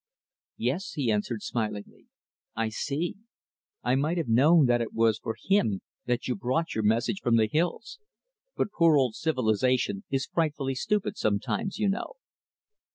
"Yes," he answered smilingly, "I see. I might have known that it was for him that you brought your message from the hills. But poor old 'Civilization' is frightfully stupid sometimes, you know."